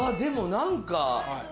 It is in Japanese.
何か。